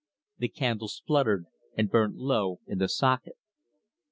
The candle spluttered and burnt low in the socket.